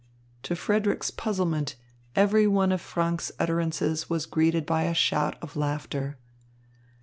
To Frederick's puzzlement, every one of Franck's utterances was greeted by a shout of laughter.